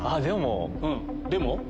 でも。